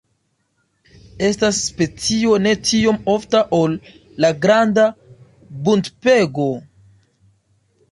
Estas specio ne tiom ofta ol la Granda buntpego.